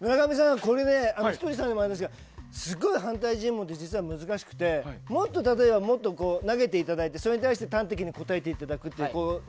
村上さんひとりさんもですけど反対尋問って実はすごい難しくてもっと例えば、投げていただいてそれに対して端的に答えていただくという。